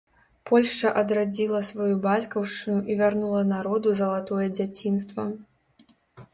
Польшча адрадзіла сваю бацькаўшчыну і вярнула народу залатое дзяцінства.